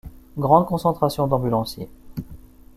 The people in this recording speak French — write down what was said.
Grande concentration d'ambulanciers.